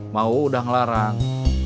mau udah ngelarang